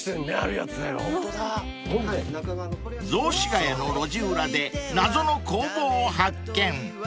［雑司が谷の路地裏で謎の工房を発見］